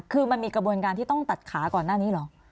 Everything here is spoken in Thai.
คือมันมีกระบวนการที่ต้องตัดขาก่อนหน้านี้เหรอ